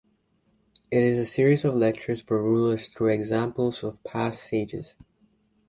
It is a series of lectures for rulers through examples of past sages.